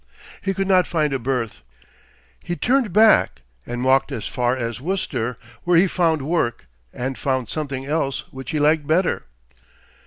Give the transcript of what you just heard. He could not find a berth. He turned back, and walked as far as Worcester, where he found work, and found something else which he liked better.